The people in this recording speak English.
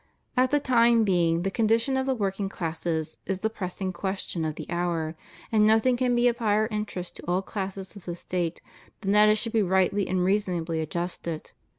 At the time being, the condition of the working classes is the pressing question of the hour; and nothing can be of higher interest to all classes of the State than that it should be rightly and reasonably adjusted.